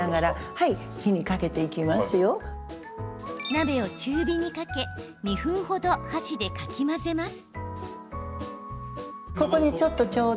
鍋を中火にかけ２分程、箸でかき混ぜます。